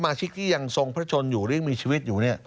ชิกที่ยังทรงพระชนอยู่หรือยังมีชีวิตอยู่